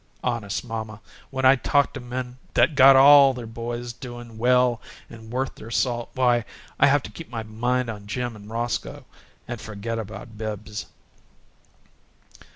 "Honest, mamma, when I talk to men that got ALL their boys doin' well and worth their salt, why, I have to keep my mind on Jim and Roscoe and forget about Bibbs."